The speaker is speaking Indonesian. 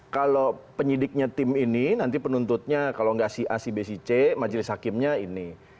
kalau penyidiknya tim ini nanti penuntutnya kalau nggak si a si b si c majelis hakimnya ini